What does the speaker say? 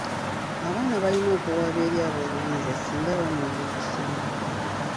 Abaana balina okuwaaba eri ab'obuyinza singa bammibwa okusoma.